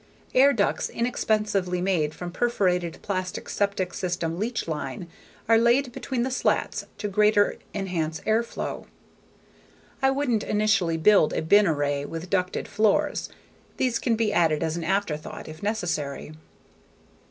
Air ducts, inexpensively made from perforated plastic septic system leach line, are laid between the slats to greatly enhance air flow. I wouldn't initially build a bin array with ducted floors; these can be added as an afterthought if necessary.